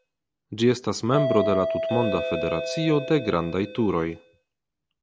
Ĝi estas membro de la Tutmonda Federacio de Grandaj Turoj.